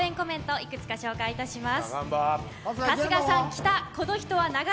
いくつかご紹介します。